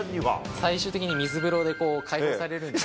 最終的に水風呂で解放されるんで。